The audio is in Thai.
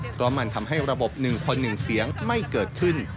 เพราะมันทำให้ระบบหนึ่งคนหนึ่งเสียงไม่เกิดขึ้น